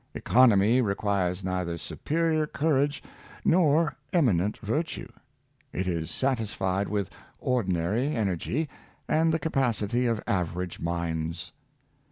Economy requires neither 380 Necessity of Economy. superior courage nor eminent virtue; it is satisfied with ordinary energy, and the capacity of average minds.